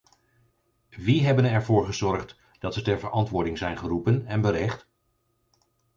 Wie hebben ervoor gezorgd dat ze ter verantwoording zijn geroepen en berecht?